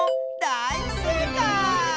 だいせいかい！